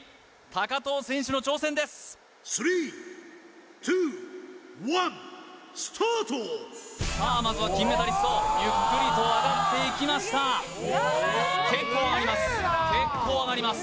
藤選手の挑戦ですさあまずは金メダリストゆっくりと上がっていきました結構上がります結構上がります